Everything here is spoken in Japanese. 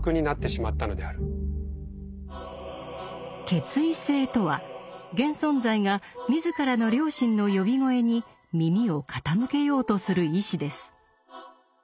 「決意性」とは現存在が自らの「良心の呼び声」に耳を傾けようとする意志です。